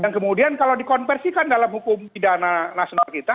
dan kemudian kalau dikonversikan dalam hukum pidana nasional kita